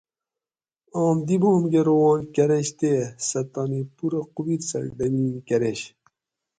آم دی بام کہ روان کۤرنش تے سہ تانی پورہ قوت سہ ڈمین کۤرینش